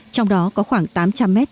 trong đó có khoảng tám trăm linh mét